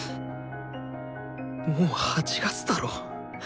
もう８月だろ？